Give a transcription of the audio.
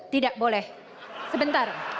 tidak boleh sebentar